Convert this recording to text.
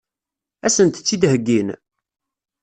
Ad sent-tt-id-heggin?